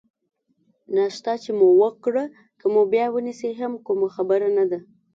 ناشته چې مو وکړه، که مو بیا ونیسي هم کومه خبره نه ده.